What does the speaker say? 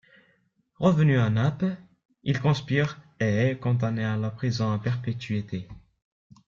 Revenu à Naples, il conspire et est condamné à la prison à perpétuité.